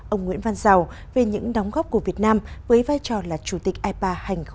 ông nguyễn văn giàu về những đóng góp của việt nam với vai trò là chủ tịch ipa hai nghìn hai mươi